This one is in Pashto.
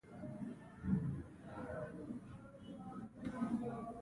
دوی په بیارغونه کې ونډه درلوده.